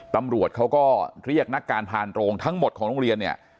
ตำรวจเขาก็เรียกนักการพานโรงทั้งหมดของโรงเรียนเนี่ย